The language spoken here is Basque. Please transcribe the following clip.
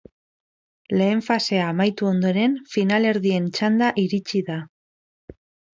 Lehen fasea amaitu ondoren finalerdien txanda iritsi da.